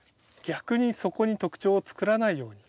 逆にそこに特徴をつくらないように。